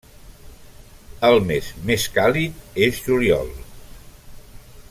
El mes més càlid és juliol.